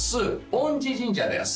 恩智神社です